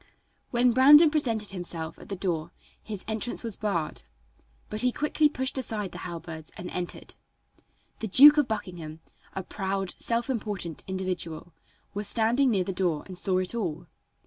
When Brandon presented himself at the door his entrance was barred, but he quickly pushed aside the halberds and entered. The Duke of Buckingham, a proud, self important individual, was standing near the door and saw it all.